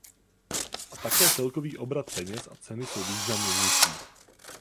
A také celkový obrat peněz a ceny jsou významně nižší.